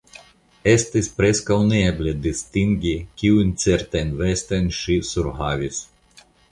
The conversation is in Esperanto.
Estis preskaŭ neeble distingi, kiujn ceterajn vestojn ŝi surhavis.